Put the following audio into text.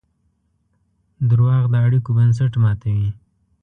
دروغ د اړیکو بنسټ ماتوي.